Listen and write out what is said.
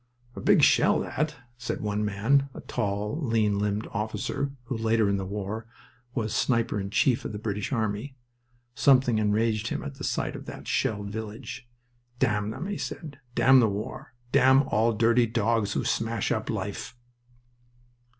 "A big shell that!" said one man, a tall, lean limbed officer, who later in the war was sniper in chief of the British army. Something enraged him at the sight of that shelled village. "Damn them!" he said. "Damn the war! Damn all dirty dogs who smash up life!"